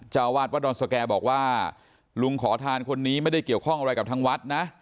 เจ้าวาดวัดดอนสแก่บอกว่าลุงขอทานคนนี้ไม่ได้เกี่ยวข้องอะไรกับทางวัดนะ